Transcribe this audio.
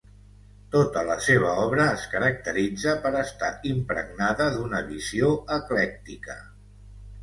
Tota la seva obra es caracteritza per estar impregnada d'una visió eclèctica.